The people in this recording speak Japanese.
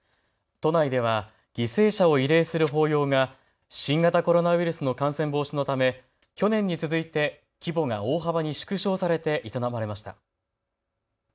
都内では犠牲者を慰霊する法要が新型コロナウイルスの感染防止のため去年に続いて規模が大幅に縮小されて営まれました。